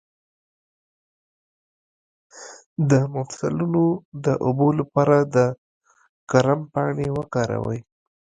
د مفصلونو د اوبو لپاره د کرم پاڼې وکاروئ